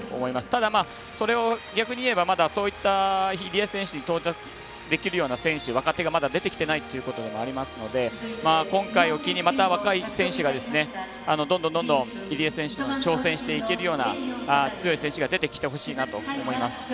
ただ、逆に言えばまだ、そういった入江選手に到達できるような選手若手がまだ出てきていないということでもありますので今回を機に、また若い選手がどんどん入江選手に挑戦していけるような強い選手が出てきてほしいなと思います。